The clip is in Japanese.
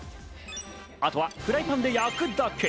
あとはフライパンで焼くだけ。